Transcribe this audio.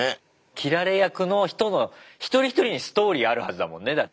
斬られ役の人の一人一人にストーリーあるはずだもんねだって。